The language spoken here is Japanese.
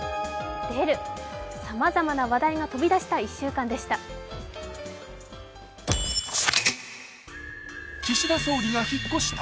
さまざまな話題が飛び出した１週間でした。